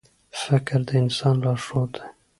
• فکر د انسان لارښود دی.